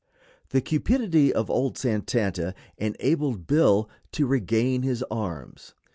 The cupidity of old Santanta enabled Bill to regain his arms.